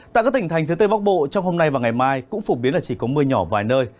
tại các tỉnh thành phía tây bắc bộ trong hôm nay và ngày mai cũng phổ biến là chỉ có mưa nhỏ vài nơi